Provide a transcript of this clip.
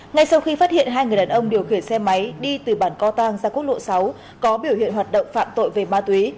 ngay sau khi phát hiện hai người đàn ông điều khiển xe máy đi từ bản co tăng ra quốc lộ sáu có biểu hiện hoạt động phạm tội về ma túy